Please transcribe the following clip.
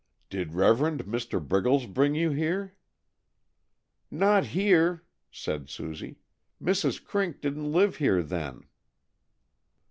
"Did Reverend Mr. Briggles bring you here?" "Not here," said Susie. "Mrs. Crink didn't live here, then."